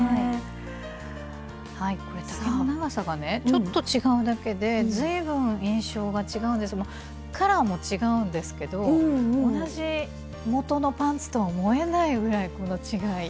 ちょっと違うだけで随分印象が違うんですがカラーも違うんですけど同じ元のパンツとは思えないぐらいこの違い。